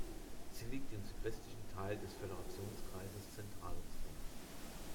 Sie liegt im südwestlichen Teil des Föderationskreises "Zentralrussland".